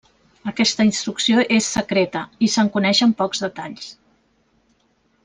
Aquesta instrucció és secreta i se'n coneixen pocs detalls.